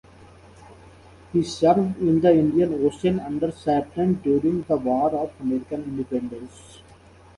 He served in the Indian Ocean under Suffren during the War of American Independence.